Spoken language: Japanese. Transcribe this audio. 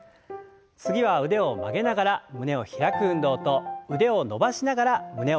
次は腕を曲げながら胸を開く運動と腕を伸ばしながら胸を開く運動。